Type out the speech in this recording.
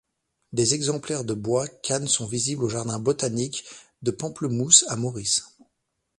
Des exemplaires de bois canne sont visibles au jardin botanique de Pamplemousses à Maurice.